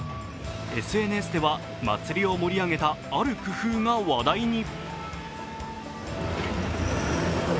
ＳＮＳでは祭りを盛り上げたある工夫が話題に。